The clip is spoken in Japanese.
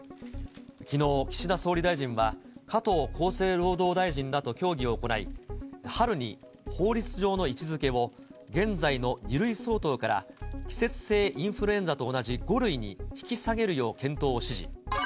きのう、岸田総理大臣は、加藤厚生労働大臣らと協議を行い、春に法律上の位置づけを、現在の２類相当から季節性インフルエンザと同じ５類に引き下げるよう検討を指示。